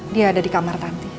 dia ada di kamar tanti